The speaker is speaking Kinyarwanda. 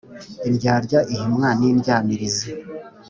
Indyarya ihimwa n’indyamirizi.